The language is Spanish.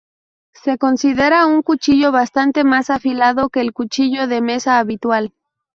Se considera un cuchillo bastante más afilado que el cuchillo de mesa habitual.